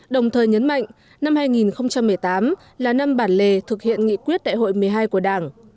đồng thời nhấn mạnh năm hai nghìn một mươi tám là năm bản lề thực hiện nghị quyết đại hội một mươi hai của đảng